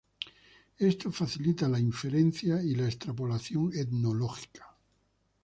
Esto facilita la inferencia y la extrapolación etnológica.